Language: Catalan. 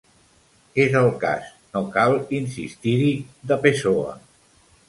És el cas, no cal insistir-hi, de Pessoa.